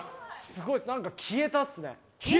すごいです、なんか消えたっすね。